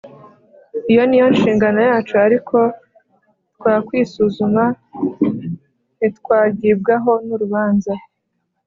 ” iyo ni yo nshingano yacu “ariko twakwisuzuma ntitwagibwaho n’urubanza